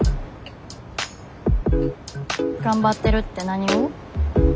頑張ってるって何を？